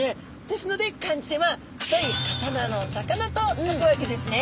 ですので漢字では「太い刀の魚」と書くわけですね。